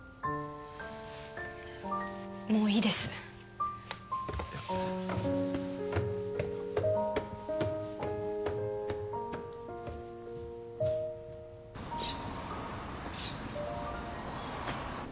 もういいですいや